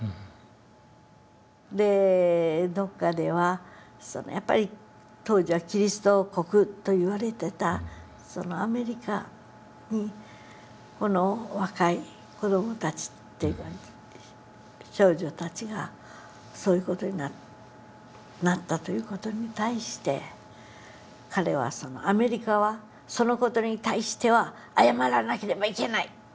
でどっかではやっぱり当時は「キリスト国」と言われてたアメリカにこの若い子どもたち少女たちがそういう事になったという事に対して彼は「アメリカはその事に対しては謝らなければいけない。